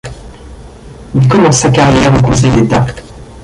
Il commence sa carrière au Conseil d'État.